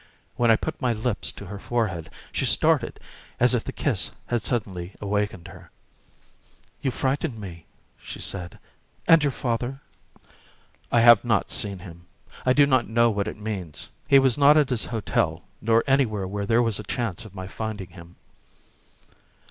When I put my lips to her forehead she started as if the kiss had suddenly awakened her. "You frightened me," she said. "And your father?" "I have not seen him. I do not know what it means. He was not at his hotel, nor anywhere where there was a chance of my finding him."